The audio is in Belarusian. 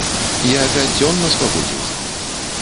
Я пяць дзён на свабодзе ўжо.